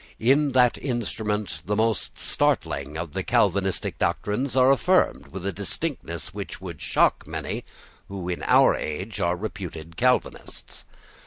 In that instrument the most startling of the Calvinistic doctrines are affirmed with a distinctness which would shock many who, in our age, are reputed Calvinists.